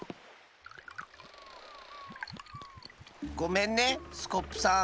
ごめんねスコップさん。